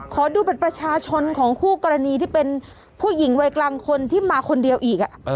ขอดูบัตรประชาชนของคู่กรณีที่เป็นผู้หญิงวัยกลางคนที่มาคนเดียวอีก